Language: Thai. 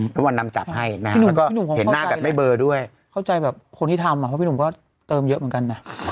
รางวัลนำจับให้แล้วก็เห็นหน้าแบบไม่เบอด้วย